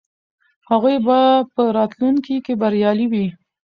هغوی به په راتلونکي کې بریالي وي.